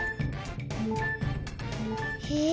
え？